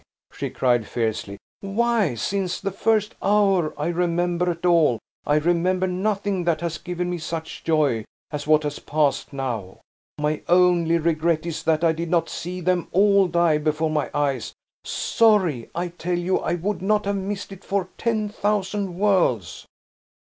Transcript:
she cried, fiercely. "Why, since the first hour I remember at all, I remember nothing that has given me such joy as what has passed now; my only regret is that I did not see them all die before my eyes! Sorry! I tell you I would not have missed it for ten thousand worlds!"